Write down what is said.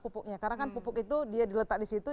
pupuknya karena kan pupuk itu dia diletak disitu